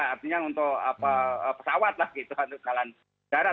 artinya untuk pesawat lah gitu untuk jalan darat